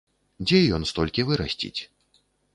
Дзе ён столькі вырасціць?